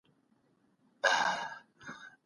ابن عباس د قران ډیر ښه مفسر و.